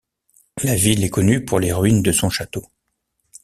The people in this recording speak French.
La ville est connue pour les ruines de son château.